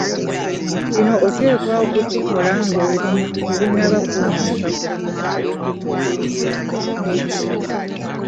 Kino oteekwa okukikola ng'ebintu tebinnaba kukwonoonekako.